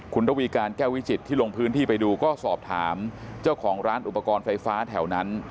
คุณระวีการแก้ววิจิตรที่ลงพื้นที่ไปดูก็สอบถามเจ้าของร้านอุปกรณ์ไฟฟ้าแถวนั้น